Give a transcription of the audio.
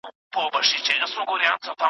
مهارت د پانګي په کارولو کي مهم رول ولوباوه.